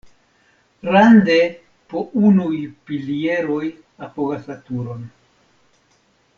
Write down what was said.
Rande po unuj pilieroj apogas la turon.